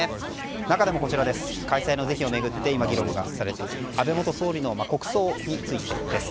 中でも、開催の是非を巡って議論がされている安倍元総理の国葬についてです。